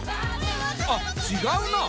あっ違うな。